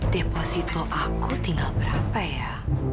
deposito aku tinggal berapa ya